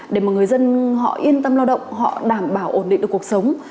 để mà người dân họ yên tâm lao động họ đảm bảo ổn định được cuộc sống